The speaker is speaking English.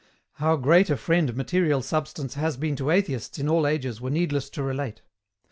How great a friend material substance has been to Atheists in all ages were needless to relate.